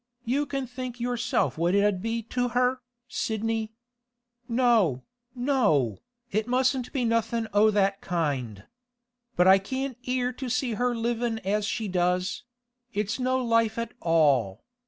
You can think yourself what it 'ud be to her, Sidney. No, no, it mustn't be nothing o' that kind. But I can't bear to see her livin' as she does; it's no life at all.